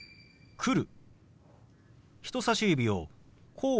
「来る」。